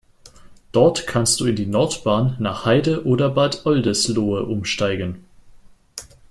Dort kannst du in die Nordbahn nach Heide oder Bad Oldesloe umsteigen.